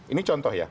ini contoh ya